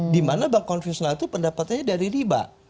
di mana bank konvensional itu pendapatannya dari riba